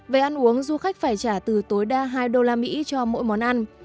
về ăn uống du khách phải trả từ tối đa hai đô la mỹ cho mỗi món ăn